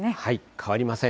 変わりません。